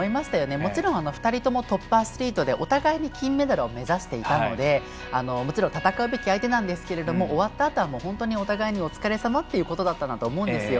もちろん２人ともトップアスリートでお互い金メダルを目指していたのでもちろん戦うべき相手なんですけど終わったあとは本当に、お互いにお疲れさまということだったと思います。